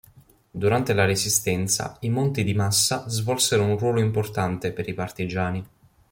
Durante la Resistenza i monti di Massa svolsero un ruolo importante per i partigiani.